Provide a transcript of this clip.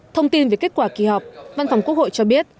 thông tin về kết quả kỳ họp văn phòng quốc hội cho biết